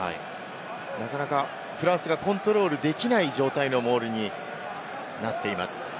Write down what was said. なかなかフランスがコントロールできない状態のモールになっています。